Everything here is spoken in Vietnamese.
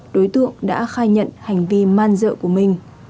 đối tượng đã khai nhận hành vi man dợ của mình